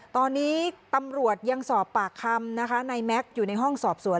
ตอนนี้ตำรวจยังสอบปากคำนะคะนายแม็กซ์อยู่ในห้องสอบสวน